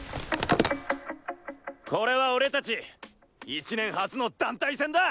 これは俺達１年初の団体戦だ！